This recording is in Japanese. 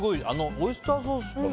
オイスターソースかな。